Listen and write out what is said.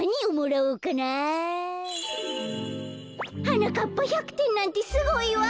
「はなかっぱ１００てんなんてすごいわ。